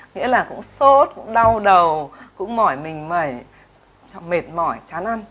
nghĩa là cũng sốt đau đầu cũng mỏi mình mẩy mệt mỏi chán ăn